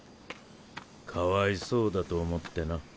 かわいそうだと思ってな。